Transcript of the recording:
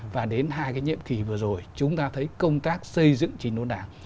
và đến hai cái nhiệm kỳ vừa rồi chúng ta thấy công tác xây dựng chính đốn đảng